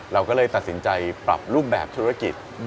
เราก็เลยตัดสินใจปรับรูปแบบธุรกิจ